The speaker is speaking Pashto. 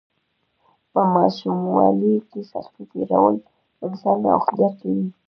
په ماشوموالي کې سختۍ تیرول انسان نوښتګر کوي.